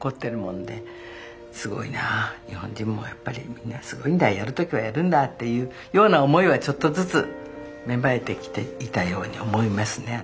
すごいなあ日本人もやっぱりみんなすごいんだやる時はやるんだっていうような思いはちょっとずつ芽生えてきていたように思いますね。